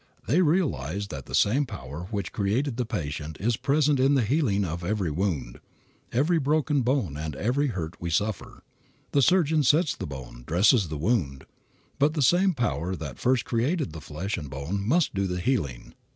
They realize that the same Power which created the patient is present in the healing of every wound, every broken bone and every hurt we suffer. The surgeon sets the bone, dresses the wound, but the same Power that first created the flesh and bone must do the healing.